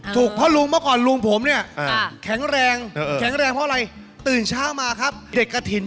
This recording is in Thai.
ถูกเพราะลุงเมื่อก่อนลุงผมเนี่ยแข็งแรงเผอร์อะไรตื่นเช้ามาครับเด็ดกะถิ